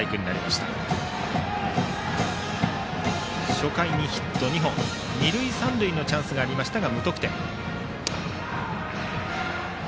初回にヒット２本二塁三塁のチャンスがありましたが無得点でした。